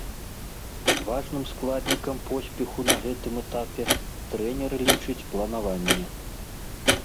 Важным складнікам поспеху на гэтым этапе трэнер лічыць планаванне.